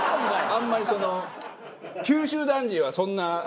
あんまりその九州男児はそんな。